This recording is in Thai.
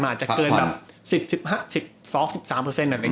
อาจจะเกินแบบสิบสิบห้าสิบสองสิบสามเปอร์เซ็นต์อะไรอย่าง